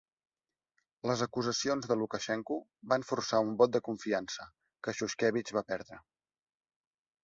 Les acusacions de Lukashenko van forçar un vot de confiança, que Shushkevich va perdre.